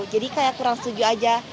jadi kayak kurang setuju aja